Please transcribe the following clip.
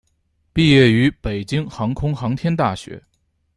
毕业于北京航空航天大学。